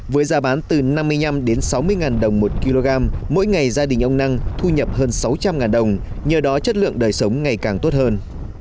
với giá bán từ năm mươi năm đến sáu mươi đồng một kg mỗi ngày gia đình ông năng thu nhập hơn sáu trăm linh đồng nhờ đó chất lượng đời sống ngày càng tốt hơn